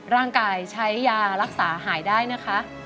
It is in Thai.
ร่างกายใช้ยารักษาหายได้นะคะ